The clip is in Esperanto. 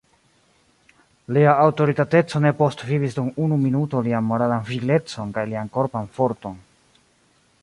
Lia aŭtoritateco ne postvivis dum unu minuto lian moralan viglecon kaj lian korpan forton.